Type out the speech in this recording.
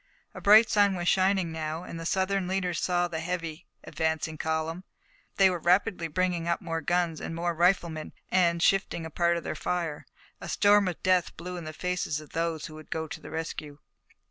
A bright sun was shining now, and the Southern leaders saw the heavy, advancing column. They were rapidly bringing up more guns and more riflemen, and, shifting a part of their fire, a storm of death blew in the faces of those who would go to the rescue.